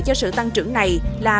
cho sự tăng trưởng này là